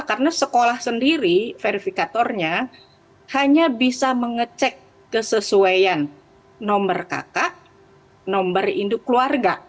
karena sekolah sendiri verifikatornya hanya bisa mengecek kesesuaian nomor kakak nomor induk keluarga